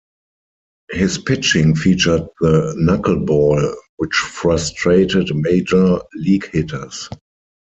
His pitching featured the knuckleball, which frustrated major league hitters.